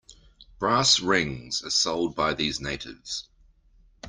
Brass rings are sold by these natives.